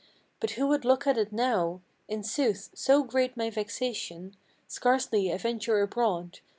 But who would look at it now! In sooth, so great my vexation Scarcely I venture abroad.